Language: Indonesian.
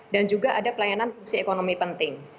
dan juga ada pelayanan fungsi ekonomi penting